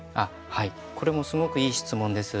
これもすごくいい質問です。